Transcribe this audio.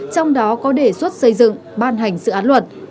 trong đó có đề xuất xây dựng ban hành dự án luật